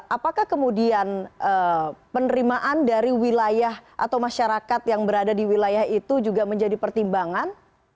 apakah kemudian penerimaan dari wilayah atau masyarakat yang berada di wilayah itu juga menjadi pertimbangan